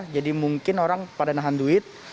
jadi mungkin orang pada nahan duit